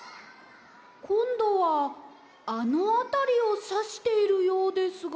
こんどはあのあたりをさしているようですが。